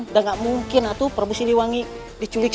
tidak mungkin itu prabu siliwangi diculik